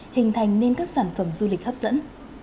hành nên các sản phẩm du lịch hấp dẫn